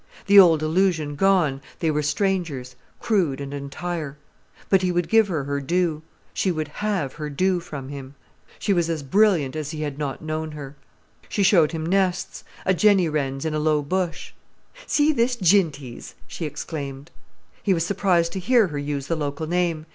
The old illusion gone, they were strangers, crude and entire. But he would give her her due—she would have her due from him. She was brilliant as he had not known her. She showed him nests: a jenny wren's in a low bush. "See this jinty's!" she exclaimed. He was surprised to hear her use the local name.